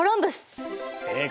正解。